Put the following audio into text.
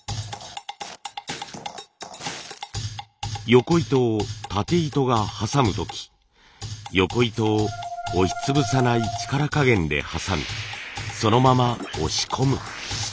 よこ糸をたて糸が挟む時よこ糸を押し潰さない力加減で挟みそのまま押し込む。